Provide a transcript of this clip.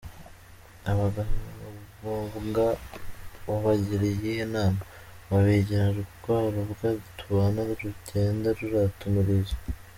abagabombwa wabagira iyihe nama? wabigira rwa rubwa tubana rugenda rurata umurizo.